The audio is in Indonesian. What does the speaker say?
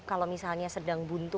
kalau misalnya sedang buntu